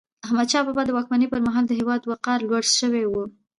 احمدشاه بابا د واکمني پر مهال د هیواد وقار لوړ سوی و.